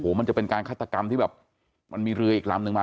มันจะเป็นการฆาตกรรมที่แบบมันมีเรืออีกลำนึงมา